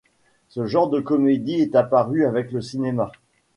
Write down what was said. Ce genre de comédie est apparu avec le cinéma.